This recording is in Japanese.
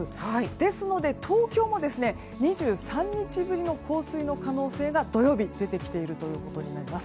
ですので東京も２３日ぶりの降水の可能性が土曜日に出てきているということになります。